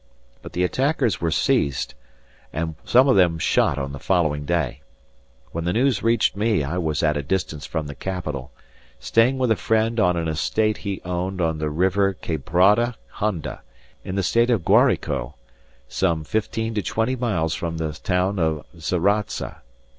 But the attackers were seized, and some of them shot on the following day. When the news reached me I was at a distance from the capital, staying with a friend on an estate he owned on the River Quebrada Honda, in the State of Guarico, some fifteen to twenty miles from the town of Zaraza.